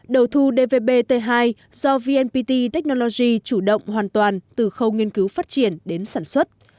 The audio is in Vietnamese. đầu thu dvp hai do vnpt technology chủ động hoàn toàn từ khâu nghiên cứu phát triển đến sản xuất